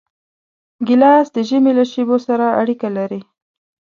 ګیلاس د ژمي له شېبو سره اړیکه لري.